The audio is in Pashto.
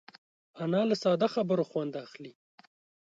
انا له ساده خبرو خوند اخلي